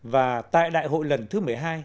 và tại đại hội lần thứ một mươi hai